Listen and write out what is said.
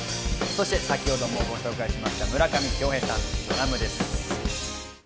そして先ほどもご紹介しました、村上恭平さん、ドラムです。